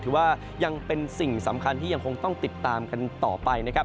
ว่ายังเป็นสิ่งสำคัญที่ยังคงต้องติดตามกันต่อไปนะครับ